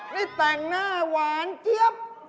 ได้แต่งหน้าหวานเจี๊ยบ